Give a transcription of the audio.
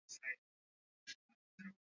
Si wakati wa kutosha.